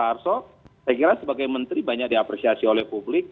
pak arso saya kira sebagai menteri banyak diapresiasi oleh publik